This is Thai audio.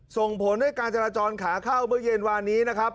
ส่งผลให้การจราจรขาเข้าเมื่อเย็นวานนี้นะครับ